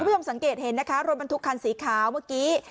คุณผู้ชมสังเกตเห็นนะคะรถบรรทุกคันสีขาวเมื่อกี้